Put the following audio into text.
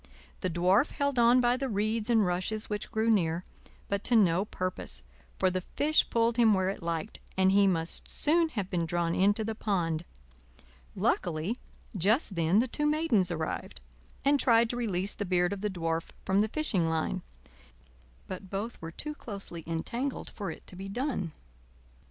The Dwarf held on by the reeds and rushes which grew near; but to no purpose, for the fish pulled him where it liked, and he must soon have been drawn into the pond. Luckily just then the two Maidens arrived, and tried to release the beard of the Dwarf from the fishing line; but both were too closely entangled for it to be done.